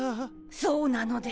そうなのです。